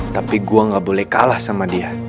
tapi gue gak boleh kalah sama dia